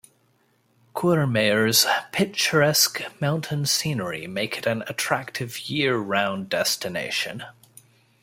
Courmayeur's picturesque mountain scenery make it an attractive year-round destination.